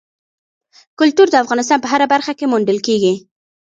کلتور د افغانستان په هره برخه کې موندل کېږي.